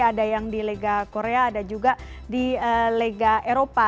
ada yang di liga korea ada juga di liga eropa